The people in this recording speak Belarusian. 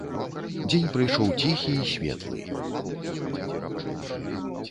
Дзень прыйшоў ціхі і светлы.